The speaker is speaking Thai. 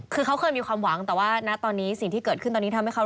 คือเขาเคยมีความหวังแต่ว่าณตอนนี้สิ่งที่เกิดทำให้เขารู้สึกว่า